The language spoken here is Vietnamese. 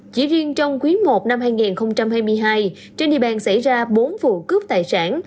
chỉ riêng trong quý i năm hai nghìn hai mươi hai trên địa bàn xảy ra bốn vụ cướp tài sản